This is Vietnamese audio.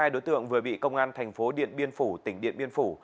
hai đối tượng vừa bị công an thành phố điện biên phủ tỉnh điện biên phủ